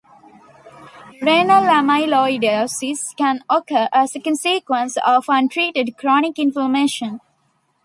Renal amyloidosis can occur as a consequence of untreated chronic inflammation.